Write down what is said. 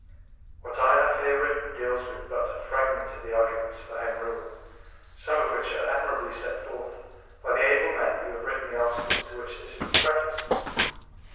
What I have here written deals with but a fragment of the arguments for Home Rule, some of which are admirably set forth by the able men who have written the articles to which this is the preface.